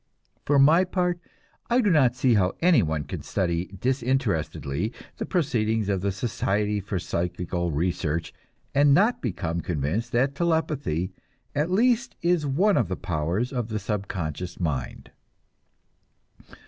For my part, I do not see how any one can study disinterestedly the proceedings of the Society for Psychical Research and not become convinced that telepathy at least is one of the powers of the subconscious mind.